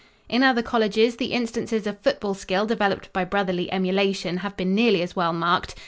In other colleges, the instances of football skill developed by brotherly emulation have been nearly as well marked.